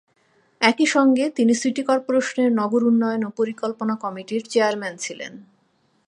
একইসঙ্গে তিনি সিটি কর্পোরেশনের নগর উন্নয়ন ও পরিকল্পনা কমিটির চেয়ারম্যান ছিলেন।